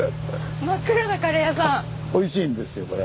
おいしいんですよこれ。